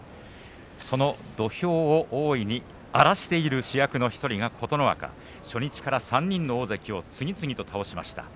その土俵を大いに荒らしている主役の１人が琴ノ若初日から３人の大関を次々と倒しました。